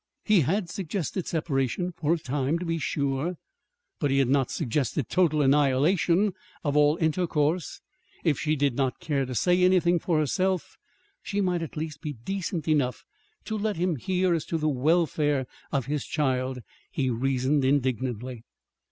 He had suggested separation (for a time), to be sure; but he had not suggested total annihilation of all intercourse! If she did not care to say anything for herself, she might, at least, be decent enough to let him hear as to the welfare of his child, he reasoned indignantly.